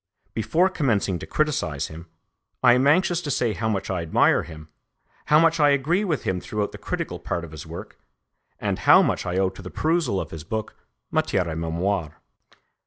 Before commencing to criticise him, I am anxious to say how much I admire him, how much I agree with him throughout the critical part of his work, and how much I owe to the perusal of his book, Matière et Mémoire.